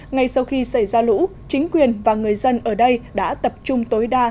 ngay sau khi xảy ra lũ chính quyền và người dân ở đây đã tập trung tối đa